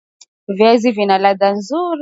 viazi lishe vina ladha nzuri